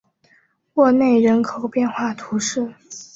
沃内人口变化图示